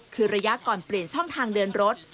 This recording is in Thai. คือระยะก่อนเปลี่ยนช่องทางเดินรถ